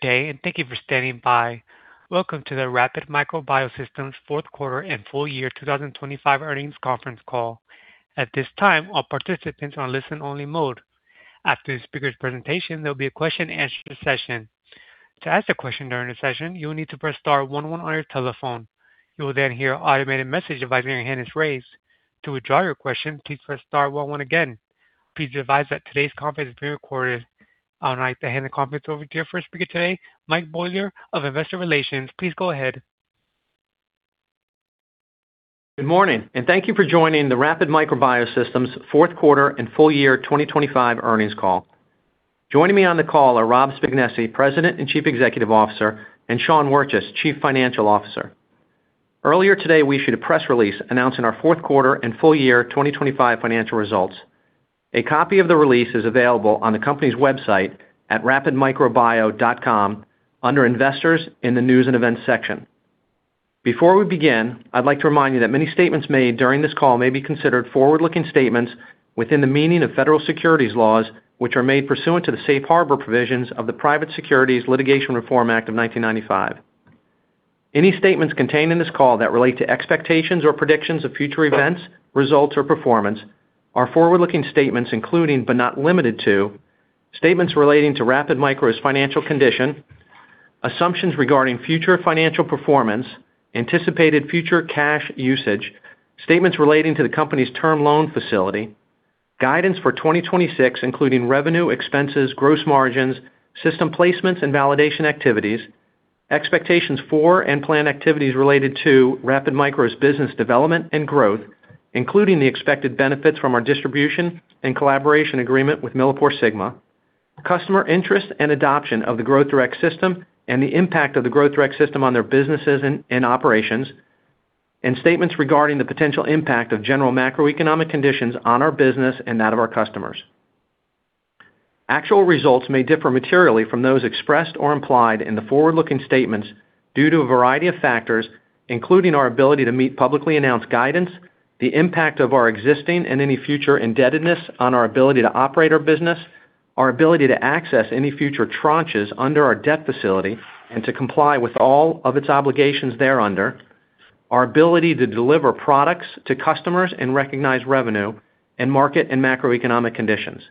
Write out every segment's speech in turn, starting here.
Good day, and thank you for standing by. Welcome to the Rapid Micro Biosystems Q4 and full year 2025 earnings conference call. At this time, all participants are in listen-only mode. After the speaker's presentation, there'll be a question-and-answer session. To ask a question during the session, you will need to press star one one on your telephone. You will then hear an automated message advising your hand is raised. To withdraw your question, please press star one one again. Please be advised that today's conference is being recorded. I would like to hand the conference over to your first speaker today, Mike Bolyer of Investor Relations. Please go ahead. Good morning, and thank you for joining the Rapid Micro Biosystems Q4 and full year 2025 earnings call. Joining me on the call are Rob Spignesi, President and Chief Executive Officer, and Sean Wirtjes, Chief Financial Officer. Earlier today, we issued a press release announcing our Q4 and full year 2025 financial results. A copy of the release is available on the company's website at rapidmicrobio.com under Investors in the News & Events section. Before we begin, I'd like to remind you that many statements made during this call may be considered forward-looking statements within the meaning of federal securities laws, which are made pursuant to the Safe Harbor provisions of the Private Securities Litigation Reform Act of 1995. Any statements contained in this call that relate to expectations or predictions of future events, results, or performance are forward-looking statements including, but not limited to, statements relating to Rapid Micro's financial condition, assumptions regarding future financial performance, anticipated future cash usage, statements relating to the company's term loan facility, guidance for 2026, including revenue, expenses, gross margins, system placements and validation activities, expectations for and plan activities related to Rapid Micro's business development and growth, including the expected benefits from our distribution and collaboration agreement with MilliporeSigma, customer interest and adoption of the Growth Direct System and the impact of the Growth Direct System on their businesses and operations, and statements regarding the potential impact of general macroeconomic conditions on our business and that of our customers. Actual results may differ materially from those expressed or implied in the forward-looking statements due to a variety of factors, including our ability to meet publicly announced guidance, the impact of our existing and any future indebtedness on our ability to operate our business, our ability to access any future tranches under our debt facility and to comply with all of its obligations thereunder, our ability to deliver products to customers and recognize revenue, and market and macroeconomic conditions.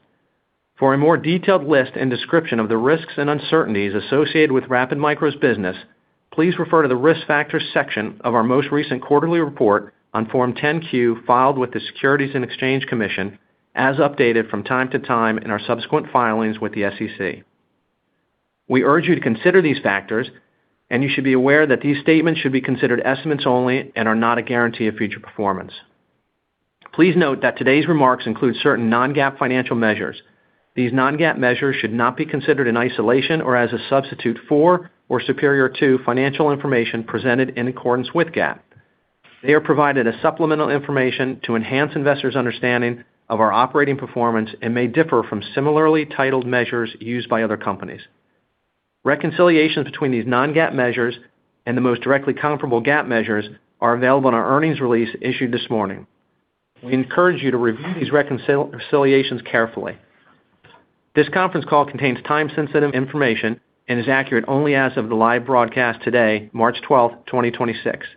For a more detailed list and description of the risks and uncertainties associated with Rapid Micro Biosystems' business, please refer to the Risk Factors section of our most recent quarterly report on Form 10-Q filed with the Securities and Exchange Commission as updated from time to time in our subsequent filings with the SEC. We urge you to consider these factors, and you should be aware that these statements should be considered estimates only and are not a guarantee of future performance. Please note that today's remarks include certain non-GAAP financial measures. These non-GAAP measures should not be considered in isolation or as a substitute for, or superior to, financial information presented in accordance with GAAP. They are provided as supplemental information to enhance investors' understanding of our operating performance and may differ from similarly titled measures used by other companies. Reconciliations between these non-GAAP measures and the most directly comparable GAAP measures are available in our earnings release issued this morning. We encourage you to review these reconciliations carefully. This conference call contains time-sensitive information and is accurate only as of the live broadcast today, March 12, 2026.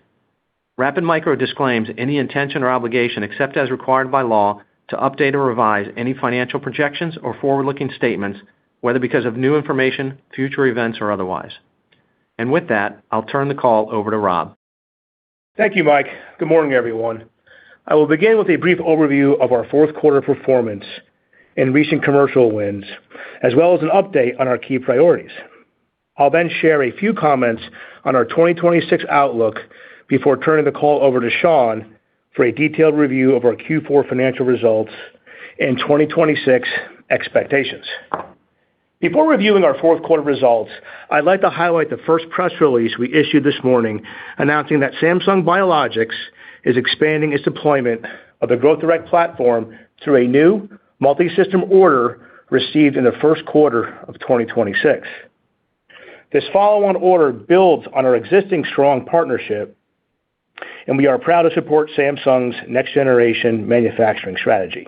Rapid Micro disclaims any intention or obligation, except as required by law, to update or revise any financial projections or forward-looking statements, whether because of new information, future events, or otherwise. With that, I'll turn the call over to Robert. Thank you, Michael. Good morning, everyone. I will begin with a brief overview of our Q4 performance and recent commercial wins, as well as an update on our key priorities. I'll then share a few comments on our 2026 outlook before turning the call over to Sean for a detailed review of our Q4 financial results and 2026 expectations. Before reviewing our Q4 results, I'd like to highlight the first press release we issued this morning announcing that Samsung Biologics is expanding its deployment of the Growth Direct platform through a new multi-system order received in the Q1 of 2026. This follow-on order builds on our existing strong partnership, and we are proud to support Samsung Biologics' next-generation manufacturing strategy.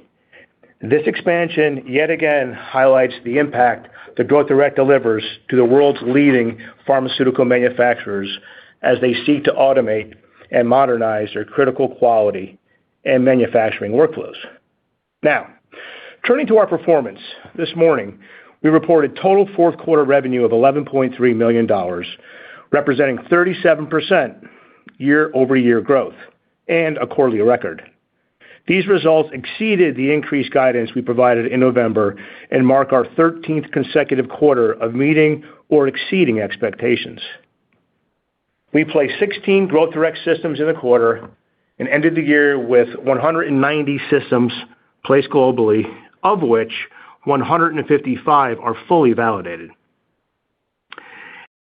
This expansion yet again highlights the impact that Growth Direct delivers to the world's leading pharmaceutical manufacturers as they seek to automate and modernize their critical quality and manufacturing workflows. Now, turning to our performance. This morning, we reported total Q4 revenue of $11.3 million, representing 37% year-over-year growth and a quarterly record. These results exceeded the increased guidance we provided in November and mark our thirteenth consecutive quarter of meeting or exceeding expectations. We placed 16 Growth Direct systems in the quarter and ended the year with 190 systems placed globally, of which 155 are fully validated.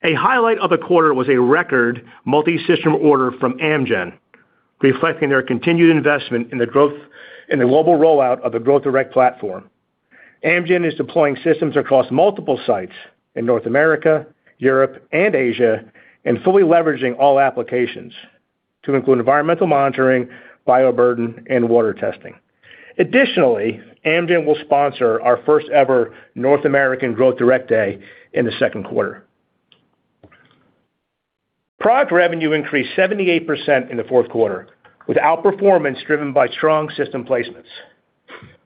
A highlight of the quarter was a record multi-system order from Amgen, reflecting their continued investment in the growth in the global rollout of the Growth Direct platform. Amgen is deploying systems across multiple sites in North America, Europe, and Asia, and fully leveraging all applications to include environmental monitoring, bioburden, and water testing. Additionally, Amgen will sponsor our first ever North American Growth Direct Day in the Q2. Product revenue increased 78% in the Q4, with outperformance driven by strong system placements.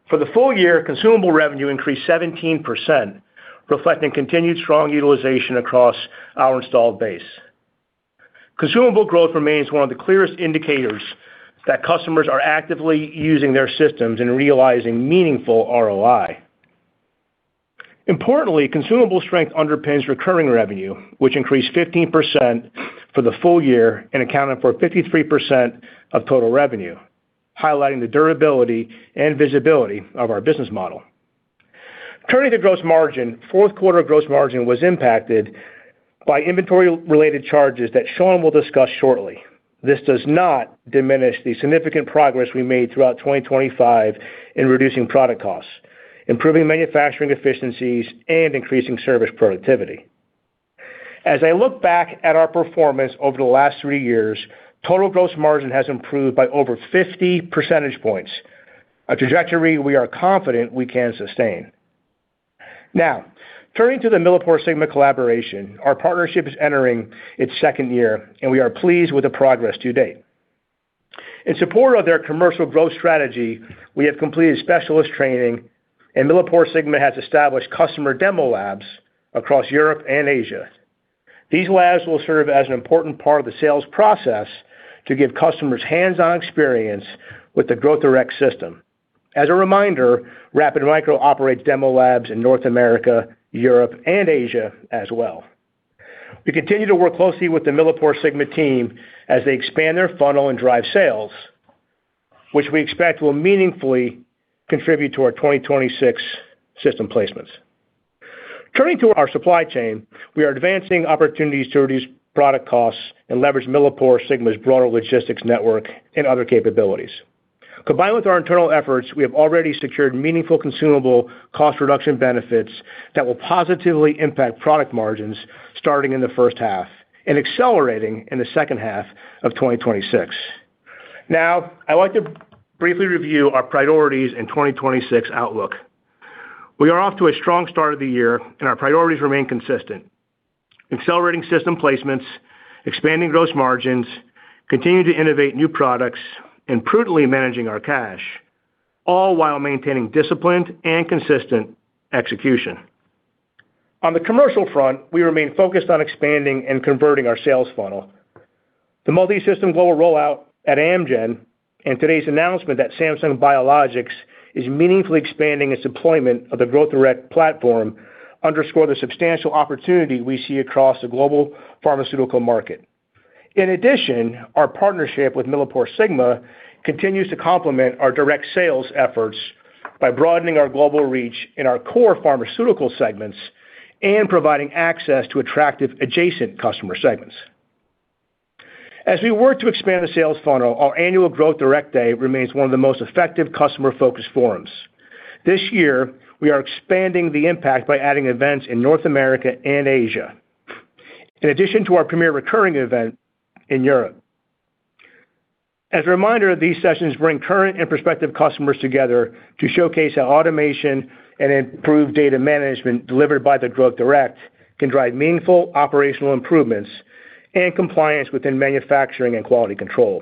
For the full year, consumable revenue increased 17%, reflecting continued strong utilization across our installed base. Consumable growth remains one of the clearest indicators that customers are actively using their systems and realizing meaningful ROI. Importantly, consumable strength underpins recurring revenue, which increased 15% for the full year and accounted for 53% of total revenue, highlighting the durability and visibility of our business model. Turning to gross margin, Q4 gross margin was impacted by inventory-related charges that Sean will discuss shortly. This does not diminish the significant progress we made throughout 2025 in reducing product costs, improving manufacturing efficiencies, and increasing service productivity. As I look back at our performance over the last three years, total gross margin has improved by over 50 percentage points, a trajectory we are confident we can sustain. Now, turning to the MilliporeSigma collaboration. Our partnership is entering its second year, and we are pleased with the progress to date. In support of their commercial growth strategy, we have completed specialist training, and MilliporeSigma has established customer demo labs across Europe and Asia. These labs will serve as an important part of the sales process to give customers hands-on experience with the Growth Direct System. As a reminder, Rapid Micro Biosystems operates demo labs in North America, Europe, and Asia as well. We continue to work closely with the MilliporeSigma team as they expand their funnel and drive sales, which we expect will meaningfully contribute to our 2026 system placements. Turning to our supply chain, we are advancing opportunities to reduce product costs and leverage MilliporeSigma's broader logistics network and other capabilities. Combined with our internal efforts, we have already secured meaningful consumable cost reduction benefits that will positively impact product margins starting in the first half and accelerating in the second half of 2026. Now, I'd like to briefly review our priorities in 2026 outlook. We are off to a strong start of the year, and our priorities remain consistent. Accelerating system placements, expanding gross margins, continuing to innovate new products, and prudently managing our cash, all while maintaining disciplined and consistent execution. On the commercial front, we remain focused on expanding and converting our sales funnel. The multisystem global rollout at Amgen and today's announcement that Samsung Biologics is meaningfully expanding its deployment of the Growth Direct platform underscore the substantial opportunity we see across the global pharmaceutical market. In addition, our partnership with MilliporeSigma continues to complement our direct sales efforts by broadening our global reach in our core pharmaceutical segments and providing access to attractive adjacent customer segments. As we work to expand the sales funnel, our annual Growth Direct Day remains one of the most effective customer-focused forums. This year, we are expanding the impact by adding events in North America and Asia. In addition to our premier recurring event in Europe. As a reminder, these sessions bring current and prospective customers together to showcase how automation and improved data management delivered by the Growth Direct can drive meaningful operational improvements and compliance within manufacturing and quality control.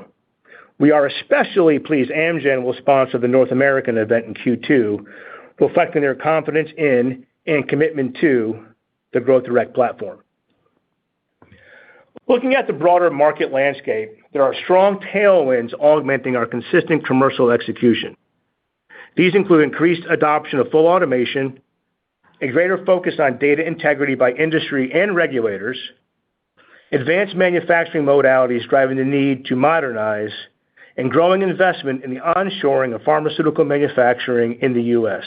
We are especially pleased Amgen will sponsor the North American event in Q2, reflecting their confidence in and commitment to the Growth Direct platform. Looking at the broader market landscape, there are strong tailwinds augmenting our consistent commercial execution. These include increased adoption of full automation, a greater focus on data integrity by industry and regulators, advanced manufacturing modalities driving the need to modernize, and growing investment in the onshoring of pharmaceutical manufacturing in the U.S.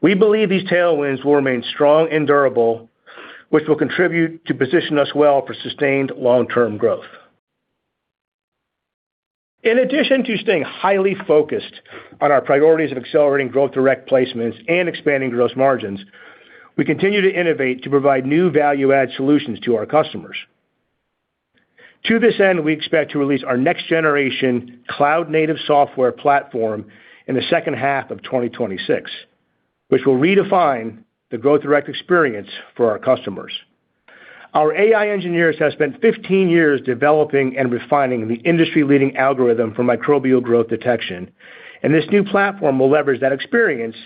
We believe these tailwinds will remain strong and durable, which will contribute to position us well for sustained long-term growth. In addition to staying highly focused on our priorities of accelerating Growth Direct placements and expanding gross margins, we continue to innovate to provide new value-add solutions to our customers. To this end, we expect to release our next generation cloud native software platform in the second half of 2026, which will redefine the Growth Direct experience for our customers. Our AI engineers have spent 15 years developing and refining the industry-leading algorithm for microbial growth detection, and this new platform will leverage that experience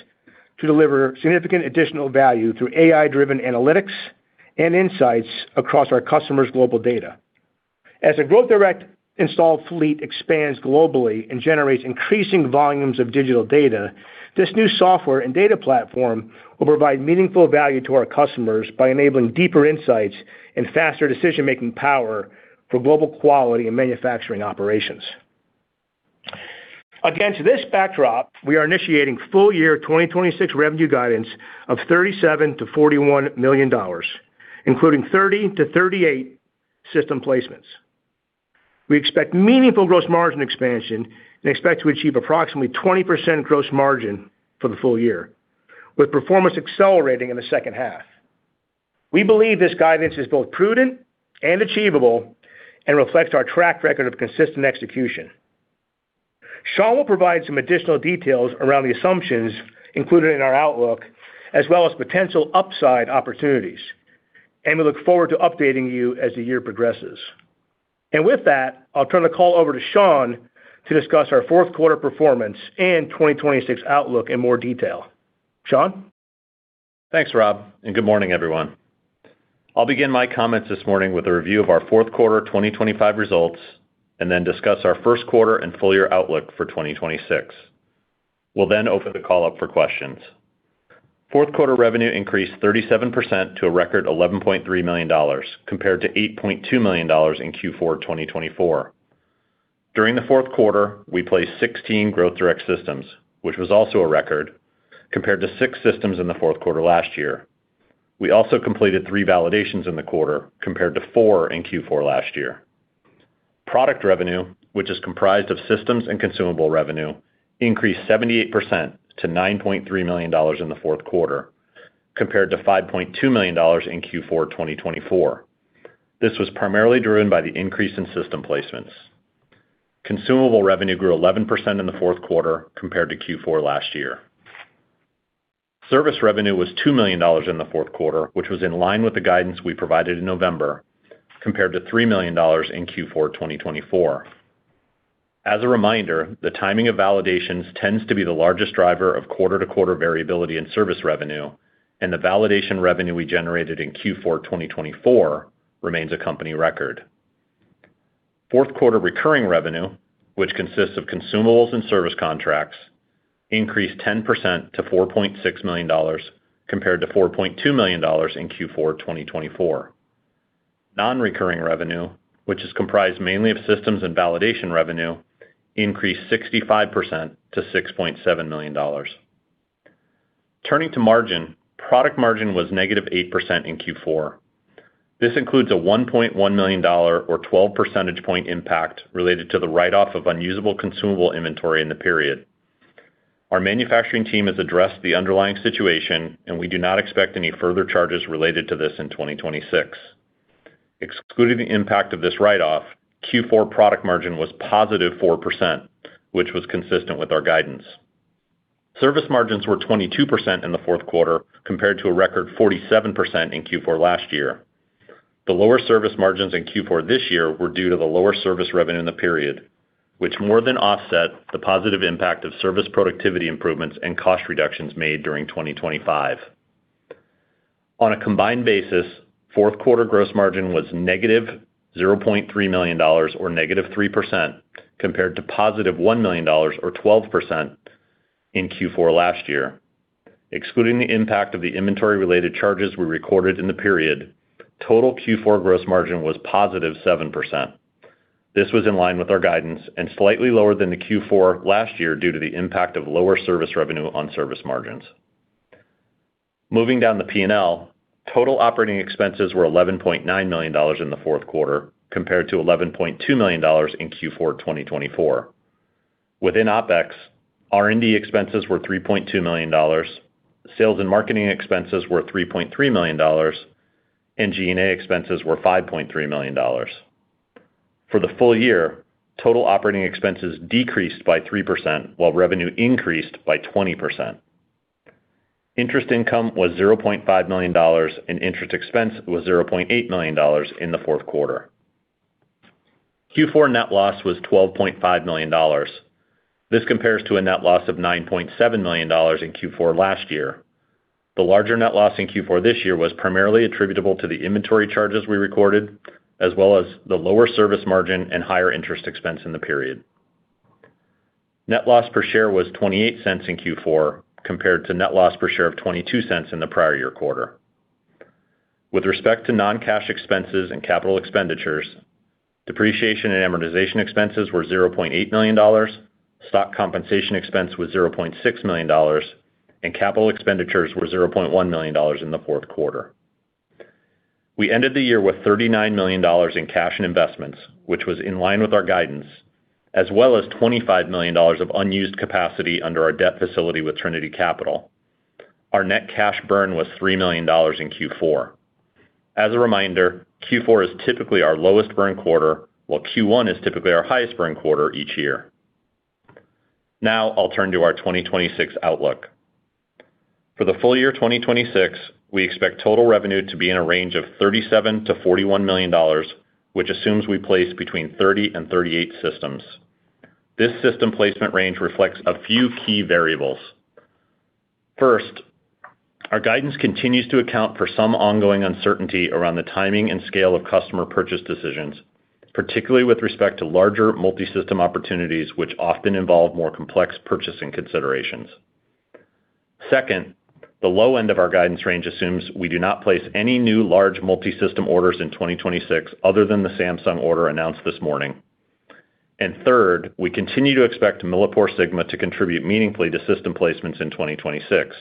to deliver significant additional value through AI-driven analytics and insights across our customers' global data. As the Growth Direct installed fleet expands globally and generates increasing volumes of digital data, this new software and data platform will provide meaningful value to our customers by enabling deeper insights and faster decision-making power for global quality and manufacturing operations. Against this backdrop, we are initiating full year 2026 revenue guidance of $37 million-$41 million, including 30-38 system placements. We expect meaningful gross margin expansion and expect to achieve approximately 20% gross margin for the full year, with performance accelerating in the second half. We believe this guidance is both prudent and achievable and reflects our track record of consistent execution. Sean will provide some additional details around the assumptions included in our outlook, as well as potential upside opportunities, and we look forward to updating you as the year progresses. With that, I'll turn the call over to Sean to discuss our Q4 performance and 2026 outlook in more detail. Sean? Thanks, Robert, and good morning, everyone. I'll begin my comments this morning with a review of our Q4 2025 results, and then discuss our Q1 and full-year outlook for 2026. We'll then open the call up for questions. Q4 revenue increased 37% to a record $11.3 million, compared to $8.2 million in Q4 2024. During the Q4, we placed 16 Growth Direct systems, which was also a record, compared to six systems in the Q4 last year. We also completed three validations in the quarter compared to four in Q4 last year. Product revenue, which is comprised of systems and consumable revenue, increased 78% to $9.3 million in the Q4, compared to $5.2 million in Q4 2024. This was primarily driven by the increase in system placements. Consumable revenue grew 11% in the Q4 compared to Q4 last year. Service revenue was $2 million in the Q4, which was in line with the guidance we provided in November, compared to $3 million in Q4 2024. As a reminder, the timing of validations tends to be the largest driver of quarter-to-quarter variability in service revenue, and the validation revenue we generated in Q4 2024 remains a company record. Q4 recurring revenue, which consists of consumables and service contracts, increased 10% to $4.6 million, compared to $4.2 million in Q4 2024. Non-recurring revenue, which is comprised mainly of systems and validation revenue, increased 65% to $6.7 million. Turning to margin, product margin was -8% in Q4. This includes a $1.1 million or 12 percentage point impact related to the write-off of unusable consumable inventory in the period. Our manufacturing team has addressed the underlying situation, and we do not expect any further charges related to this in 2026. Excluding the impact of this write-off, Q4 product margin was positive 4%, which was consistent with our guidance. Service margins were 22% in the Q4 compared to a record 47% in Q4 last year. The lower service margins in Q4 this year were due to the lower service revenue in the period, which more than offset the positive impact of service productivity improvements and cost reductions made during 2025. On a combined basis, Q4 gross margin was -$0.3 million or -3% compared to $1 million or 12% in Q4 last year. Excluding the impact of the inventory-related charges we recorded in the period, total Q4 gross margin was 7%. This was in line with our guidance and slightly lower than the Q4 last year due to the impact of lower service revenue on service margins. Moving down the P&L, total operating expenses were $11.9 million in the Q4 compared to $11.2 million in Q4 2024. Within OpEx, R&D expenses were $3.2 million, sales and marketing expenses were $3.3 million, and G&A expenses were $5.3 million. For the full year, total operating expenses decreased by 3% while revenue increased by 20%. Interest income was $0.5 million, and interest expense was $0.8 million in the Q4. Q4 net loss was $12.5 million. This compares to a net loss of $9.7 million in Q4 last year. The larger net loss in Q4 this year was primarily attributable to the inventory charges we recorded, as well as the lower service margin and higher interest expense in the period. Net loss per share was $0.28 in Q4, compared to net loss per share of $0.22 in the prior year quarter. With respect to non-cash expenses and capital expenditures, depreciation and amortization expenses were $0.8 million, stock compensation expense was $0.6 million, and capital expenditures were $0.1 million in the Q4. We ended the year with $39 million in cash and investments, which was in line with our guidance, as well as $25 million of unused capacity under our debt facility with Trinity Capital. Our net cash burn was $3 million in Q4. As a reminder, Q4 is typically our lowest burn quarter, while Q1 is typically our highest burn quarter each year. Now I'll turn to our 2026 outlook. For the full year 2026, we expect total revenue to be in a range of $37 million-$41 million, which assumes we place between 30 and 38 systems. This system placement range reflects a few key variables. First, our guidance continues to account for some ongoing uncertainty around the timing and scale of customer purchase decisions, particularly with respect to larger multisystem opportunities which often involve more complex purchasing considerations. Second, the low end of our guidance range assumes we do not place any new large multisystem orders in 2026 other than the Samsung order announced this morning. Third, we continue to expect MilliporeSigma to contribute meaningfully to system placements in 2026.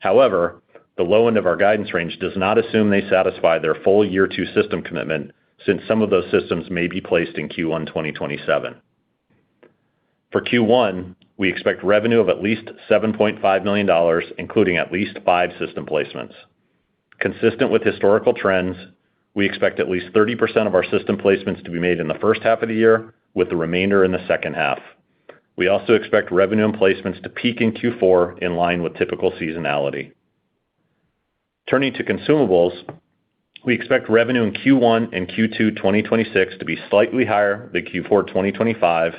However, the low end of our guidance range does not assume they satisfy their full year two system commitment since some of those systems may be placed in Q1 2027. For Q1, we expect revenue of at least $7.5 million, including at least five system placements. Consistent with historical trends, we expect at least 30% of our system placements to be made in the first half of the year, with the remainder in the second half. We also expect revenue and placements to peak in Q4 in line with typical seasonality. Turning to consumables, we expect revenue in Q1 and Q2 2026 to be slightly higher than Q4 2025,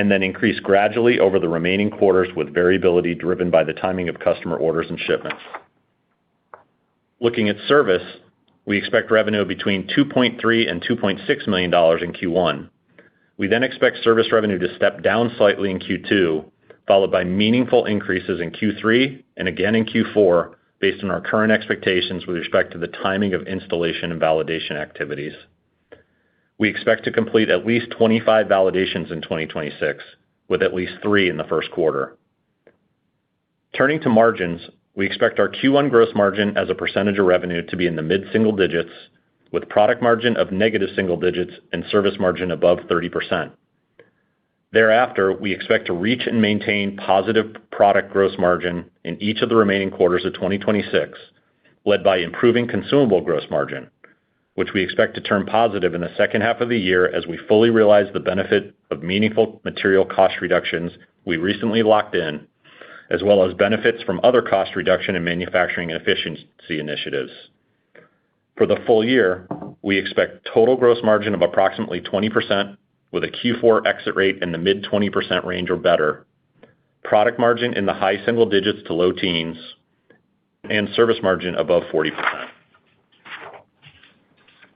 and then increase gradually over the remaining quarters with variability driven by the timing of customer orders and shipments. Looking at service, we expect revenue between $2.3 million and $2.6 million in Q1. We then expect service revenue to step down slightly in Q2, followed by meaningful increases in Q3 and again in Q4 based on our current expectations with respect to the timing of installation and validation activities. We expect to complete at least 25 validations in 2026, with at least 3 in the Q1. Turning to margins, we expect our Q1 gross margin as a percentage of revenue to be in the mid-single digits with product margin of negative single digits and service margin above 30%. There after, we expect to reach and maintain positive product gross margin in each of the remaining quarters of 2026, led by improving consumable gross margin, which we expect to turn positive in the second half of the year as we fully realize the benefit of meaningful material cost reductions we recently locked in, as well as benefits from other cost reduction in manufacturing and efficiency initiatives. For the full year, we expect total gross margin of approximately 20% with a Q4 exit rate in the mid-20% range or better, product margin in the high single digits% to low teens%, and service margin above 40%.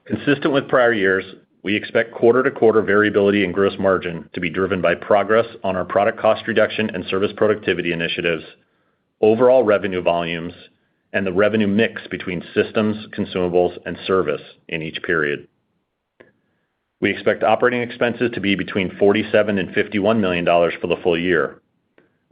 Consistent with prior years, we expect quarter-to-quarter variability in gross margin to be driven by progress on our product cost reduction and service productivity initiatives, overall revenue volumes, and the revenue mix between systems, consumables and service in each period. We expect operating expenses to be between $47 million and $51 million for the full year.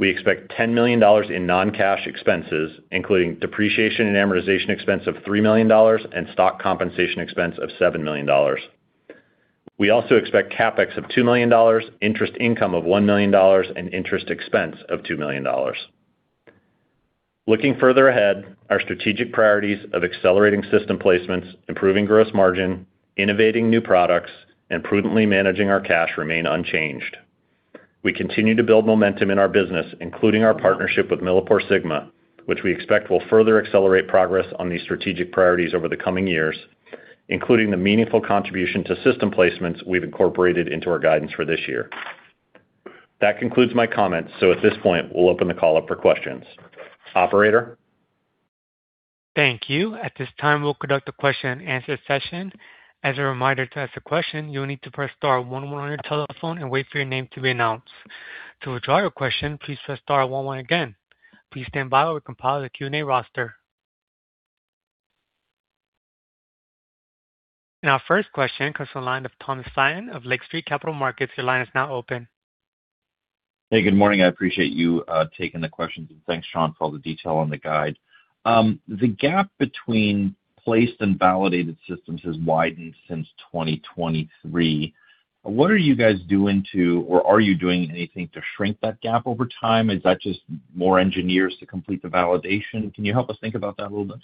We expect $10 million in non-cash expenses, including depreciation and amortization expense of $3 million and stock compensation expense of $7 million. We also expect CapEx of $2 million, interest income of $1 million, and interest expense of $2 million. Looking further ahead, our strategic priorities of accelerating system placements, improving gross margin, innovating new products, and prudently managing our cash remain unchanged. We continue to build momentum in our business, including our partnership with MilliporeSigma, which we expect will further accelerate progress on these strategic priorities over the coming years, including the meaningful contribution to system placements we've incorporated into our guidance for this year. That concludes my comments. At this point, we'll open the call up for questions. Operator? Thank you. At this time, we'll conduct a question and answer session. As a reminder, to ask a question, you'll need to press star one one on your telephone and wait for your name to be announced. To withdraw your question, please press star one one again. Please stand by while we compile the Q&A roster. Our first question comes from the line of Thomas Flaten of Lake Street Capital Markets. Your line is now open. Hey, good morning. I appreciate you taking the questions. Thanks, Sean, for all the detail on the guide. The gap between placed and validated systems has widened since 2023. What are you guys doing to or are you doing anything to shrink that gap over time? Is that just more engineers to complete the validation? Can you help us think about that a little bit?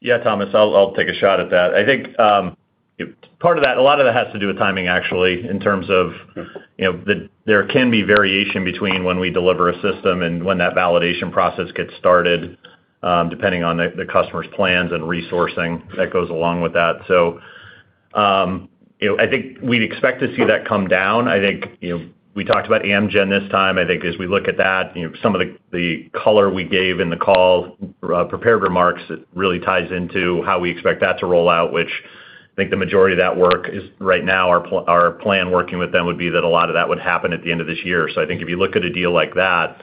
Yeah, Thomas, I'll take a shot at that. I think part of that, a lot of that has to do with timing, actually, in terms of there can be variation between when we deliver a system and when that validation process gets started, depending on the customer's plans and resourcing that goes along with that. I think we'd expect to see that come down. I think we talked about Amgen this time. I think as we look at that some of the color we gave in the call, prepared remarks really ties into how we expect that to roll out, which I think the majority of that work is right now our plan working with them would be that a lot of that would happen at the end of this year. I think if you look at a deal like that,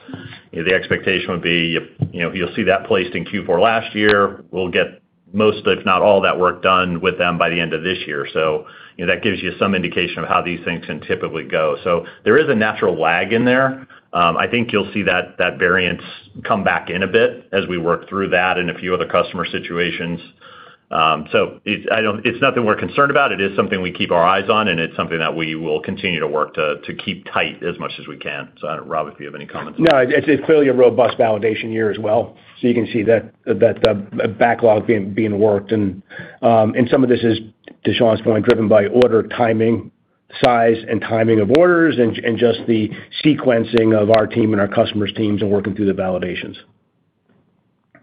the expectation would be you'll see that placed in Q4 last year. We'll get most, if not all of that work done with them by the end of this year. That gives you some indication of how these things can typically go. There is a natural lag in there. I think you'll see that variance come back in a bit as we work through that and a few other customer situations. It's nothing we're concerned about. It is something we keep our eyes on, and it's something that we will continue to work to keep tight as much as we can. I don't know, Robert, if you have any comments. No, it's clearly a robust validation year as well. You can see that backlog being worked. Some of this is, to Sean's point, driven by order timing, size and timing of orders and just the sequencing of our team and our customers' teams and working through the validations.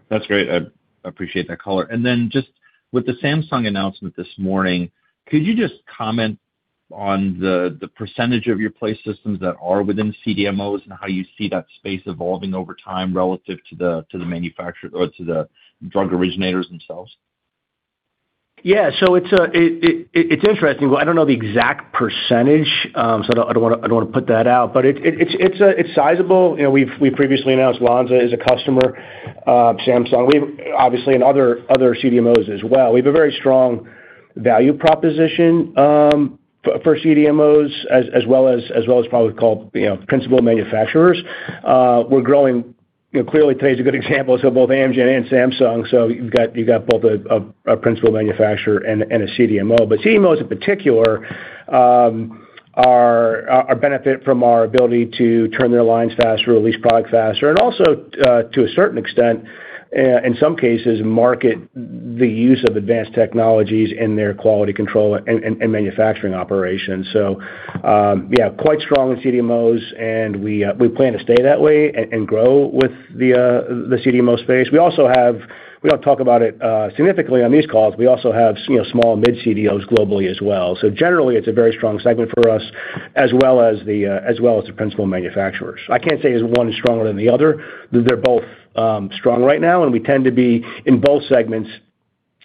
That's great. I appreciate that color. Just with the Samsung announcement this morning, could you just comment on the percentage of your placed systems that are within CDMOs and how you see that space evolving over time relative to the manufacturer or to the drug originators themselves? Yeah. It's interesting. Well, I don't know the exact percentage, so I don't want to put that out, but it's sizable. We've previously announced Lonza is a customer, Samsung. We've obviously and other CDMOs as well. We have a very strong value proposition for CDMOs as well as probably called principal manufacturers. We're growing. Clearly today's a good example of both Amgen and Samsung. You've got both a principal manufacturer and a CDMO. CDMOs in particular benefit from our ability to turn their lines faster or at least produce faster. also, to a certain extent, in some cases, market the use of advanced technologies in their quality control and manufacturing operations. Yeah, quite strong in CDMOs, and we plan to stay that way and grow with the CDMO space. We don't talk about it significantly on these calls. We also have small and mid CDMOs globally as well. Generally it's a very strong segment for us as well as the principal manufacturers. I can't say one is stronger than the other. They're both strong right now, and we tend to be in both segments,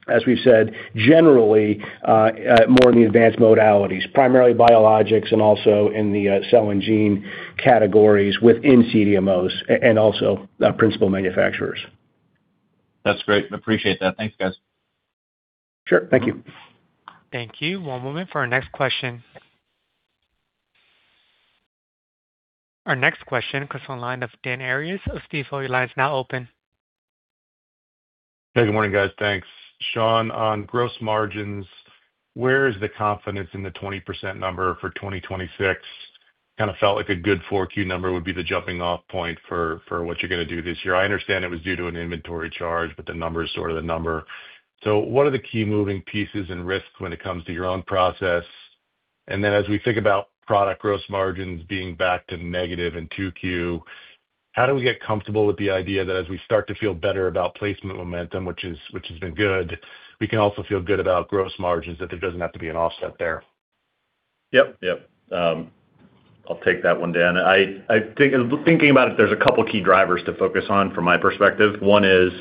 as we've said, generally, more in the advanced modalities, primarily biologics and also in the cell and gene categories within CDMOs and principal manufacturers. That's great. Appreciate that. Thanks, guys. Sure. Thank you. Thank you. One moment for our next question. Our next question comes from the line of Dan Arias of Stifel. Your line is now open. Hey, good morning, guys. Thanks. Sean, on gross margins, where is the confidence in the 20% number for 2026? Kinda felt like a good 4Q number would be the jumping off point for what you're going to do this year. I understand it was due to an inventory charge, but the number is sort of the number. What are the key moving pieces and risks when it comes to your own process? As we think about product gross margins being back to negative in 2Q, how do we get comfortable with the idea that as we start to feel better about placement momentum, which has been good, we can also feel good about gross margins, that there doesn't have to be an offset there? Yes. I'll take that one, Dan. I thinking about it, there's a couple key drivers to focus on from my perspective. One is,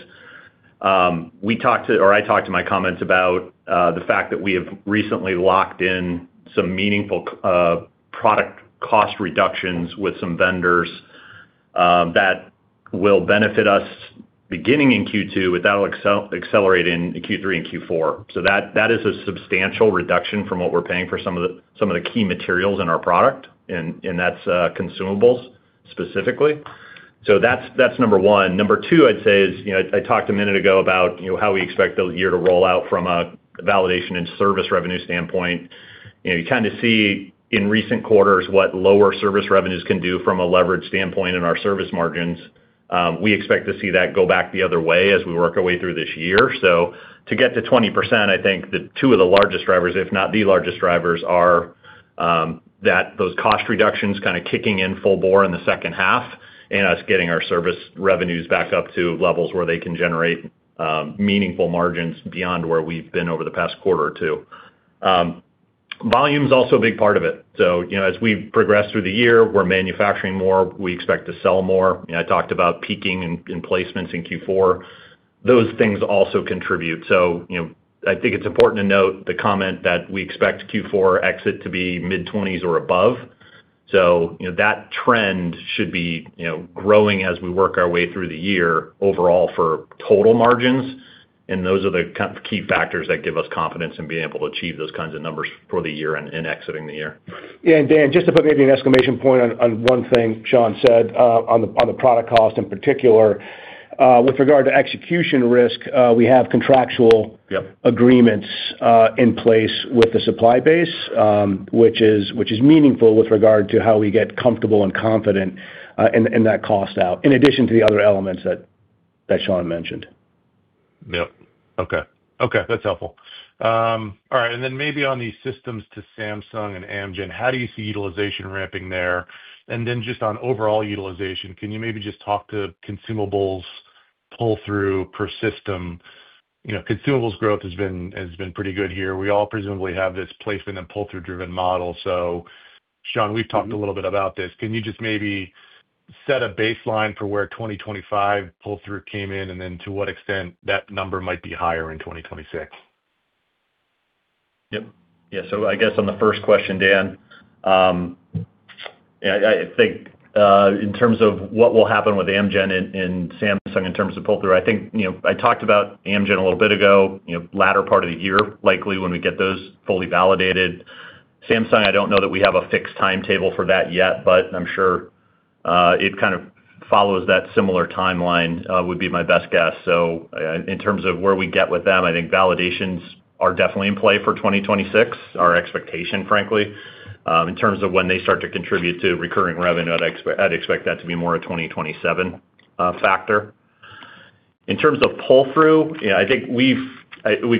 I talked through my comments about the fact that we have recently locked in some meaningful product cost reductions with some vendors that will benefit us beginning in Q2, but that'll accelerate in Q3 and Q4. So that is a substantial reduction from what we're paying for some of the key materials in our product, and that's consumables specifically. So that's number one. Number two I'd say is I talked a minute ago about how we expect the year to roll out from a validation and service revenue standpoint. You kinda see in recent quarters what lower service revenues can do from a leverage standpoint in our service margins. We expect to see that go back the other way as we work our way through this year. To get to 20%, I think the two of the largest drivers, if not the largest drivers, are, that those cost reductions kinda kicking in full bore in the second half and us getting our service revenues back up to levels where they can generate, meaningful margins beyond where we've been over the past quarter or two. Volume is also a big part of it. As we progress through the year, we're manufacturing more, we expect to sell more. I talked about peaking in placements in Q4. Those things also contribute. I think it's important to note the comment that we expect Q4 exit to be mid-20s% or above. That trend should be growing as we work our way through the year overall for total margins. Those are the kind of key factors that give us confidence in being able to achieve those kinds of numbers for the year and exiting the year. Yeah. Dan, just to put maybe an exclamation point on one thing Sean said, on the product cost in particular, with regard to execution risk, we have contractual. Yep. Agreements in place with the supply base, which is meaningful with regard to how we get comfortable and confident in that cost out, in addition to the other elements that Sean mentioned. Yep. Okay. That's helpful. All right, and then maybe on these systems to Samsung and Amgen, how do you see utilization ramping there? And then just on overall utilization, can you maybe just talk to consumables pull-through per system? Consumables growth has been pretty good here. We all presumably have this placement and pull-through driven model. So Sean, we've talked a little bit about this. Can you just maybe set a baseline for where 2025 pull-through came in, and then to what extent that number might be higher in 2026? I guess on the first question, Dan, yeah, I think, in terms of what will happen with Amgen and Samsung in terms of pull-through, I think I talked about Amgen a little bit ago latter part of the year, likely when we get those fully validated. Samsung, I don't know that we have a fixed timetable for that yet, but I'm sure, it kind of follows that similar timeline, would be my best guess. In terms of where we get with them, I think validations are definitely in play for 2026, our expectation, frankly. In terms of when they start to contribute to recurring revenue, I'd expect that to be more a 2027 factor. In terms of pull-through, yeah, I think we've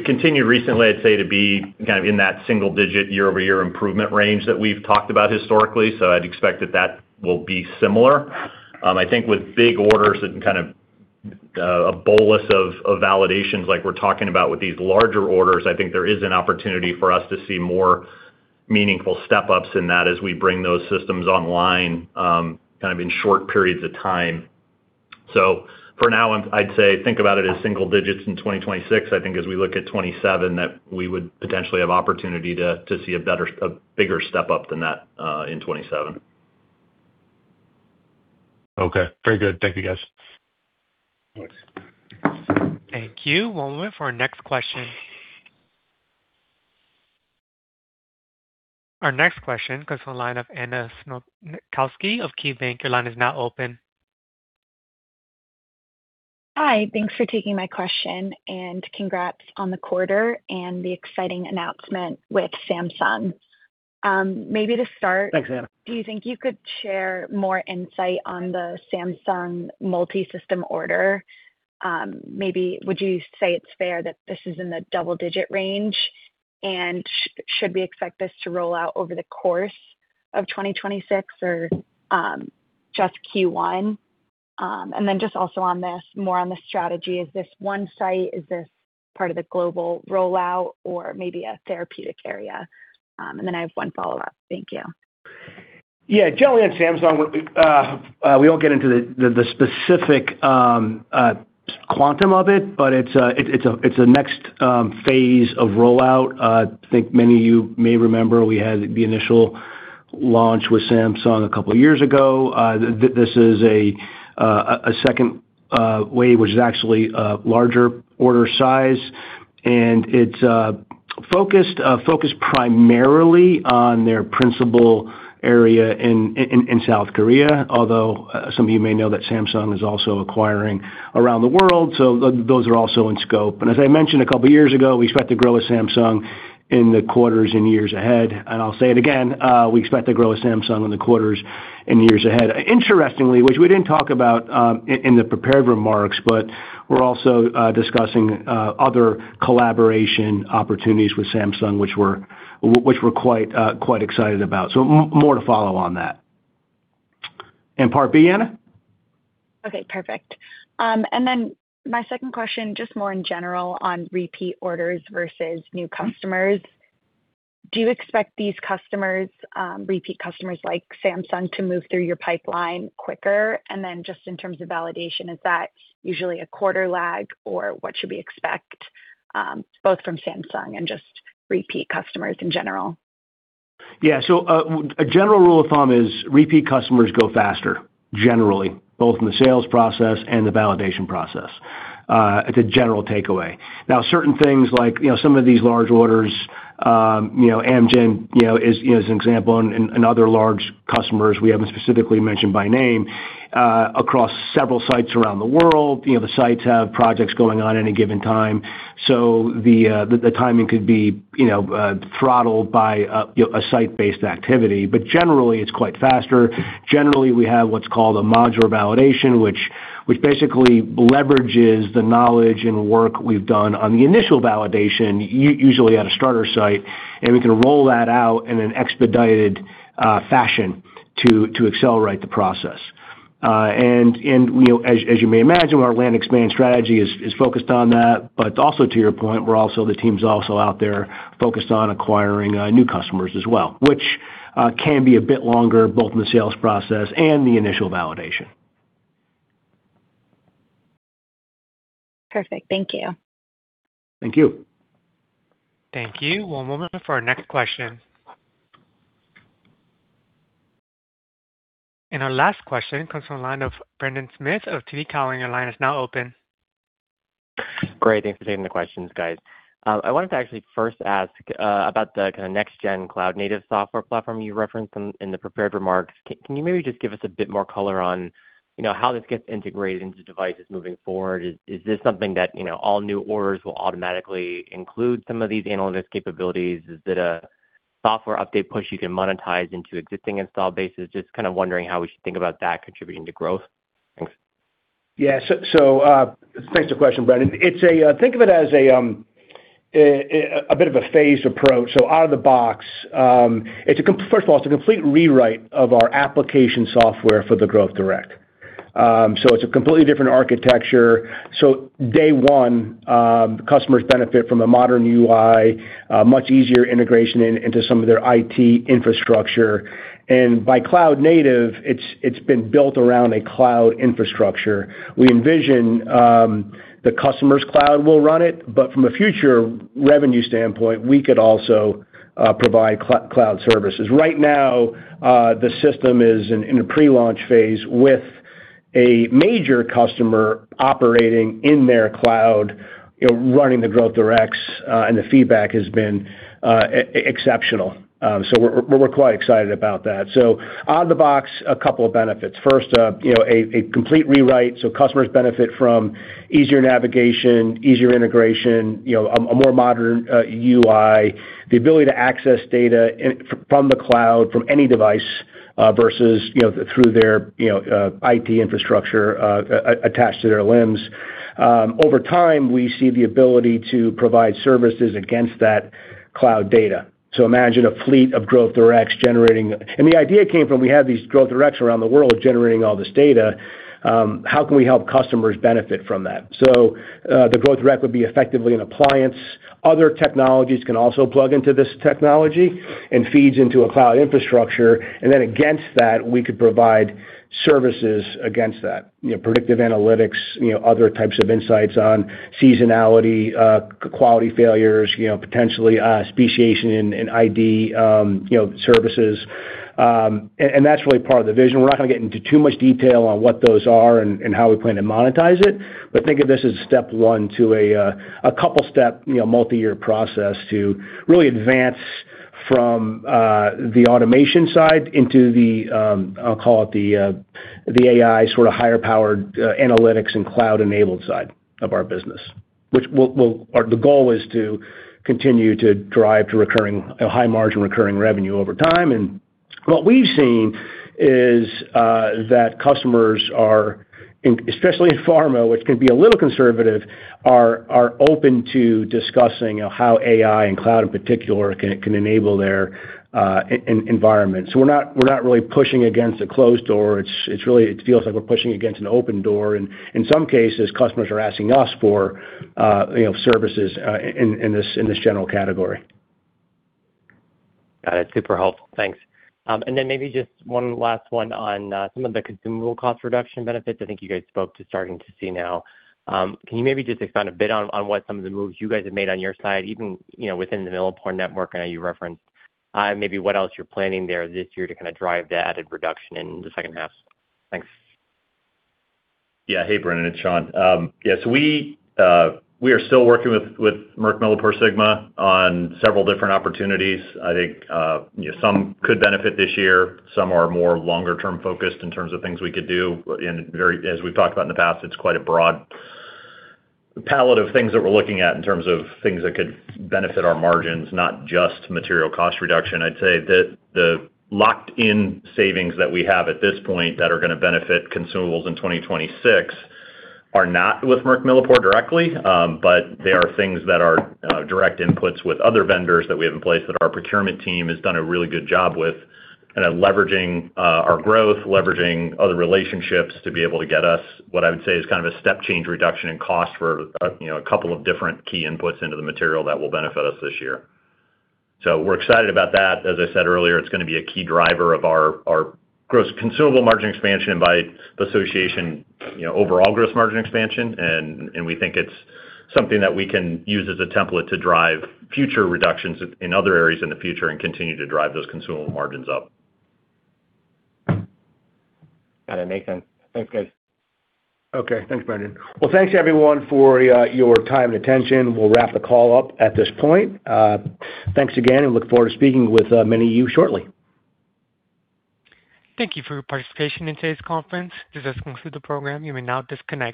continued recently, I'd say, to be kind of in that single digit year-over-year improvement range that we've talked about historically. I'd expect that will be similar. I think with big orders and kind of a bolus of validations like we're talking about with these larger orders, I think there is an opportunity for us to see more meaningful step-ups in that as we bring those systems online, kind of in short periods of time. For now, I'd say think about it as single digits in 2026. I think as we look at 2027, that we would potentially have opportunity to see a bigger step up than that in 2027. Okay. Very good. Thank you, guys. Thanks. Thank you. One moment for our next question. Our next question comes from the line of Ann-Kate Heller of KeyBank. Your line is now open. Hi. Thanks for taking my question, and congrats on the quarter and the exciting announcement with Samsung. Maybe to start. Thanks, Ann. Do you think you could share more insight on the Samsung multi-system order? Maybe would you say it's fair that this is in the double-digit range, and should we expect this to roll out over the course of 2026 or just Q1? Just also on this, more on the strategy, is this one site, is this part of the global rollout or maybe a therapeutic area? I have one follow-up. Thank you. Yeah. Generally, on Samsung, we won't get into the specific quantum of it, but it's a next phase of rollout. I think many of you may remember we had the initial launch with Samsung a couple years ago. This is a second wave, which is actually a larger order size, and it's focused primarily on their principal area in South Korea. Although some of you may know that Samsung is also acquiring around the world, so those are also in scope. As I mentioned a couple of years ago, we expect to grow with Samsung in the quarters and years ahead. I'll say it again, we expect to grow with Samsung in the quarters and years ahead. Interestingly, which we didn't talk about in the prepared remarks, but we're also discussing other collaboration opportunities with Samsung, which we're quite excited about. More to follow on that. Part B, Anna? Okay, perfect. My second question, just more in general on repeat orders versus new customers. Do you expect these customers, repeat customers like Samsung to move through your pipeline quicker? Just in terms of validation, is that usually a quarter lag or what should we expect, both from Samsung and just repeat customers in general? Yeah. A general rule of thumb is repeat customers go faster, generally, both in the sales process and the validation process. It's a general takeaway. Now, certain things like some of these large orders amgen is an example and other large customers we haven't specifically mentioned by name, across several sites around the world the sites have projects going on any given time. The timing could be throttled by a a site-based activity, but generally it's quite faster. Generally, we have what's called a modular validation, which basically leverages the knowledge and work we've done on the initial validation usually at a starter site, and we can roll that out in an expedited fashion to accelerate the process. as you may imagine, our land-and-expand strategy is focused on that. Also to your point, the team's also out there focused on acquiring new customers as well, which can be a bit longer both in the sales process and the initial validation. Perfect. Thank you. Thank you. Thank you. One moment for our next question. Our last question comes from the line of Brendan Smith of TD Cowen. Your line is now open. Great. Thanks for taking the questions, guys. I wanted to actually first ask about the kinda next gen cloud native software platform you referenced in the prepared remarks. Can you maybe just give us a bit more color on how this gets integrated into devices moving forward? Is this something that all new orders will automatically include some of these analytics capabilities? Is it a software update push you can monetize into existing install bases? Just kinda wondering how we should think about that contributing to growth. Thanks. Yeah. Thanks for the question, Brendan. Think of it as a bit of a phased approach. Out of the box, it's a complete rewrite of our application software for the Growth Direct. It's a completely different architecture. Day one, customers benefit from a modern UI, much easier integration into some of their IT infrastructure. By cloud native, it's been built around a cloud infrastructure. We envision the customer's cloud will run it, but from a future revenue standpoint, we could also provide cloud services. Right now, the system is in a pre-launch phase with a major customer operating in their cloud running the Growth Directs, and the feedback has been exceptional. We're quite excited about that. Out of the box, a couple of benefits. first a complete rewrite, so customers benefit from easier navigation, easier integration a more modern UI, the ability to access data from the cloud from any device, versus through their IT infrastructure, attached to their LIMS. Over time, we see the ability to provide services against that cloud data. Imagine a fleet of Growth Directs generating. The idea came from, we have these Growth Directs around the world generating all this data, how can we help customers benefit from that? The Growth Direct would be effectively an appliance. Other technologies can also plug into this technology and feeds into a cloud infrastructure. Then against that, we could provide services against that. Predictive analytics other types of insights on seasonality, quality failures potentially, speciation and id services. That's really part of the vision. We're not going to get into too much detail on what those are and how we plan to monetize it, but think of this as step one to a couple step multiyear process to really advance from the automation side into the, I'll call it the AI sort of higher powered, analytics and cloud-enabled side of our business, or the goal is to continue to drive to recurring, a high margin recurring revenue over time. What we've seen is that customers are in. especially in pharma, which can be a little conservative, are open to discussing how AI and cloud in particular can enable their environment. So we're not really pushing against a closed door. It's really. It feels like we're pushing against an open door, and in some cases, customers are asking us for services in this general category. Got it. Super helpful. Thanks. Maybe just one last one on some of the consumable cost reduction benefits I think you guys spoke to starting to see now. Can you maybe just expand a bit on what some of the moves you guys have made on your side, even within the MilliporeSigma network I know you referenced, maybe what else you're planning there this year to kinda drive the added reduction in the second half? Thanks. Yeah. Hey, Brendan, it's Sean. Yeah, so we are still working with MilliporeSigma on several different opportunities. I think some could benefit this year. Some are more longer term focused in terms of things we could do as we've talked about in the past, it's quite a broad palette of things that we're looking at in terms of things that could benefit our margins, not just material cost reduction. I'd say the locked-in savings that we have at this point that are going to benefit consumables in 2026 are not with MilliporeSigma directly, but they are things that are direct inputs with other vendors that we have in place that our procurement team has done a really good job with kind of leveraging our growth, leveraging other relationships to be able to get us what I would say is kind of a step change reduction in cost for a couple of different key inputs into the material that will benefit us this year. We're excited about that. As I said earlier, it's going to be a key driver of our gross consumable margin expansion by association overall gross margin expansion. We think it's something that we can use as a template to drive future reductions in other areas in the future and continue to drive those consumable margins up. Got it. Makes sense. Thanks, guys. Okay. Thanks, Brendan. Well, thanks everyone for your time and attention. We'll wrap the call up at this point. Thanks again and look forward to speaking with many of you shortly. Thank you for your participation in today's conference. This does conclude the program. You may now disconnect.